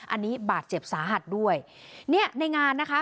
อันนี้บาดเจ็บสาหัสด้วยเนี่ยในงานนะคะ